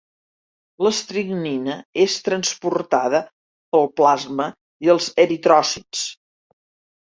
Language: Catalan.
L'estricnina és transportada pel plasma i els eritròcits.